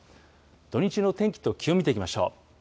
土日の天気と気温、見ていきましょう。